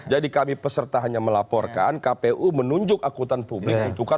jadi kami peserta hanya melaporkan kpu menunjuk akuntan publik